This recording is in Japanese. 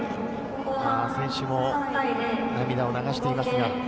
選手も涙を流しています。